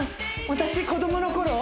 私子どもの頃？